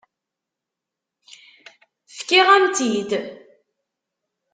Fkiɣ-am-t-id?